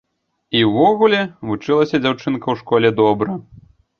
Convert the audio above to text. І ўвогуле, вучылася дзяўчынка ў школе добра.